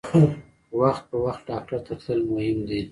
وخت په وخت ډاکټر ته تلل مهم دي.